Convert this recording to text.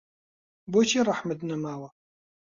بۆچی ڕەحمت نەماوە